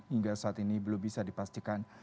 hingga saat ini belum bisa dipastikan